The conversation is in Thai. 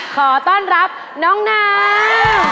ขอต้อนรับน้องนาว